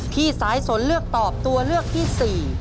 ที่สายสนเลือกตอบตัวเลือกที่๔